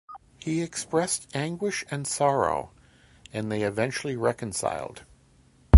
He expressed anguish and sorrow, and they eventually reconciled.